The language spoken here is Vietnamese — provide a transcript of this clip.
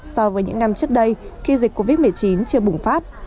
so với những năm trước đây khi dịch covid một mươi chín chưa bùng phát